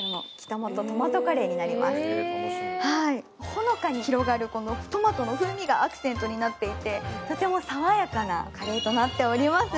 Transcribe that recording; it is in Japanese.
ほのかに広がるこのトマトの風味がアクセントになっていてとても爽やかなカレーとなっております。